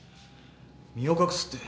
身を隠すって。